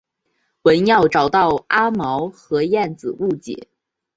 文耀找到阿毛和燕子误解。